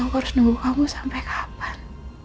aku gak tau harus nunggu kamu sampai kapan